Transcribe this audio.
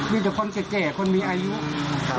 มีแต่คนเสียเจตรควรมีอายุครับ